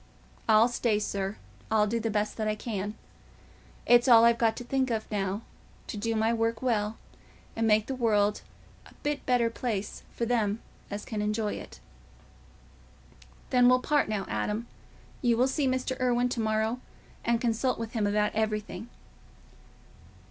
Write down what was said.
I'll stay, sir, I'll do the best I can. It's all I've got to think of now—to do my work well and make the world a bit better place for them as can enjoy it." "Then we'll part now, Adam. You will see Mr. Irwine to morrow, and consult with him about everything."